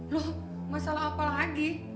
loh masalah apa lagi